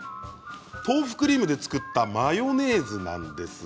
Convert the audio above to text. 豆腐クリームで作ったマヨネーズです。